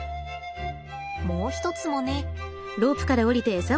もう一つもね。